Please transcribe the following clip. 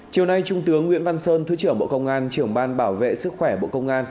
chiều nay trung tướng nguyễn văn sơn thứ trưởng bộ công an trưởng ban bảo vệ sức khỏe bộ công an